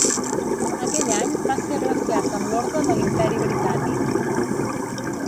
Aquell any, va ser agraciat amb l'Orde de l'Imperi Britànic.